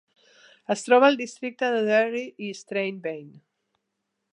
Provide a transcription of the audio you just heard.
Es troba al districte de Derry i Strabane.